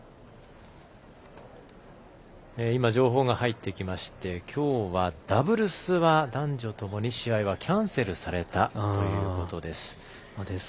今、情報が入ってきましてきょうは、ダブルスは男女ともに試合はキャンセルされたということです。